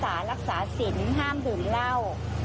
บอกว่าเข้าพันธุ์สารรักษาสินห้ามดื่มเล่า